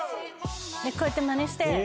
こうやってまねして。